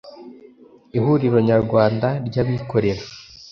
Ihuriro Nyarwanda ry Abikorera